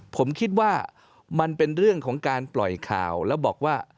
ผมคิดว่ามันเป็นเรื่องของการปล่อยข่าวแล้วบอกว่า